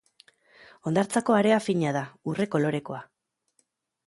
Hondartzako area fina da, urre kolorekoa.